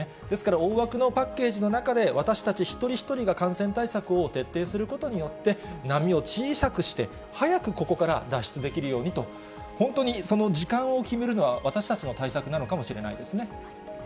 ですから大枠のパッケージの中で、私たち一人一人が感染対策を徹底することによって、波を小さくして、早くここから脱出できるようにと、本当にその時間を決めるのは私たちの対策なのかもしれないですね。